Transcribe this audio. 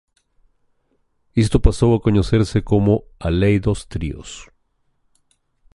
Isto pasou a coñecerse como a lei dos tríos.